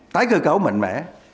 tái cơ cáo mạnh mẽ